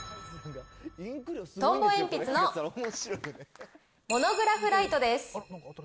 トンボ鉛筆のモノグラフライトです。